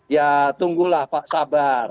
ya tunggulah pak sabar